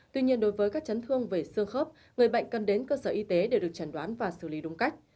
tuy nhiên đối với các chấn thương về xương khớp người bệnh cần đến cơ sở y tế để được chẩn đoán và xử lý đúng cách